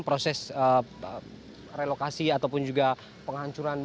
proses relokasi ataupun juga penghancuran